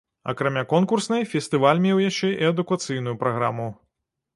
Акрамя конкурснай, фестываль меў яшчэ і адукацыйную праграму.